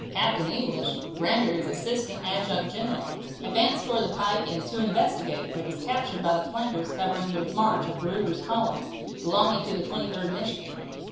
Captain English, Granbury's assistant adjutant general, advanced towards the pike to investigate, but was captured by the flankers covering the march of Ruger's column, belonging to the 23d Michigan.